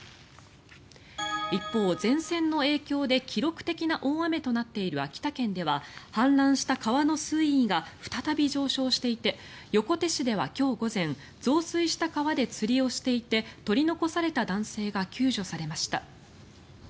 一方、前線の影響で記録的な大雨となっている秋田県では氾濫した川の水位が再び上昇していて横手市では今日午前増水した川で釣りをしていて取り残された男性が救助されました。